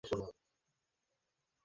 ভারত লালজির ঘর কোথায়?